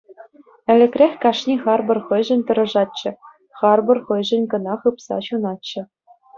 Ӗлӗкрех кашни харпӑр хӑйшӗн тӑрӑшатчӗ, харпӑр хӑйшӗн кӑна хыпса ҫунатчӗ.